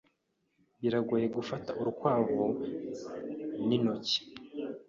Biragoye gufata urukwavu n'intoki.